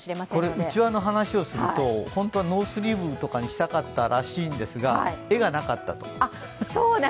うちわの話をすると、本当はノースリーブとかにしたかったらしいんですが、絵がなかったと。